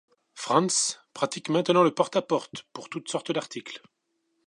Franz pratique maintenant le porte à porte pour toutes sortes d'articles.